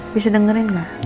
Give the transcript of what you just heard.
bisa dengerin gak